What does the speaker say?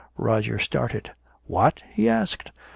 Roger started. "What?" he asked.